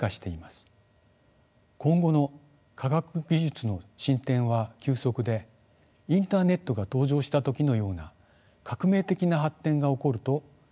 今後の科学技術の進展は急速でインターネットが登場した時のような革命的な発展が起こるといわれています。